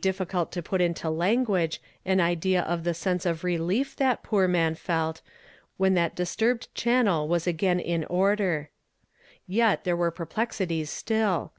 difficult to put into language an idea of the sense of relief the poor man felt when that disturbed channel was again in order. Yet there were per plexities still.